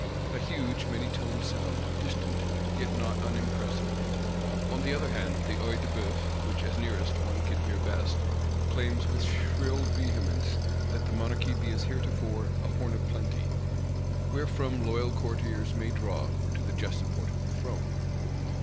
A huge, many toned sound; distant, yet not unimpressive. On the other hand, the Œil de Bœuf, which, as nearest, one can hear best, claims with shrill vehemence that the Monarchy be as heretofore a Horn of Plenty; wherefrom loyal courtiers may draw,—to the just support of the throne.